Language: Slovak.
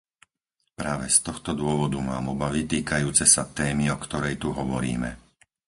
Práve z tohto dôvodu mám obavy týkajúce sa témy, o ktorej tu hovoríme.